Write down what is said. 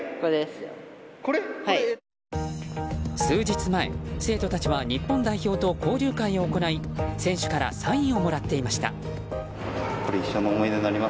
数日前、生徒たちは日本代表と交流会を行い選手からサインをもらっていました。